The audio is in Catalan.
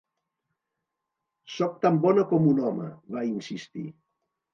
Soc tan bona com un home, va insistir.